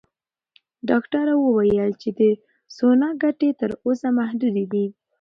ډاکټره وویل چې د سونا ګټې تر اوسه محدودې دي.